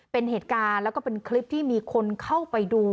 เป็นเหตุการณ์แล้วก็เป็นคลิปที่มีคนเข้าไปดู